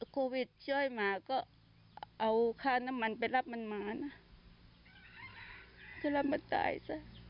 โควิดช่วยมาก็เอาค่าน้ำมันไปรับมันมานะคือรับมาจ่ายซะ